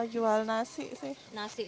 jual nasi sih